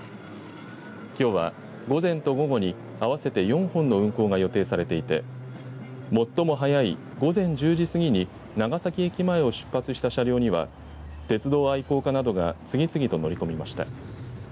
きょうは午前と午後に合わせて４本の運行が予定されていて、最も早い午前１０時過ぎに長崎駅前を出発した車両には鉄道愛好家などが次々と乗り込みました。